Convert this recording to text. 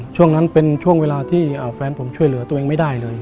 ช่วงนั้นเป็นช่วงเวลาที่แฟนผมช่วยเหลือตัวเองไม่ได้เลย